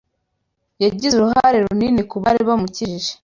Yagize uruhare runini kubari bamukikije.